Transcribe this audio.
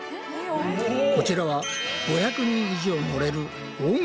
こちらは５００人以上乗れる大型